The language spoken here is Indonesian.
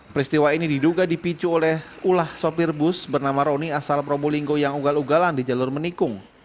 peristiwa ini diduga dipicu oleh ulah sopir bus bernama roni asal probolinggo yang ugal ugalan di jalur menikung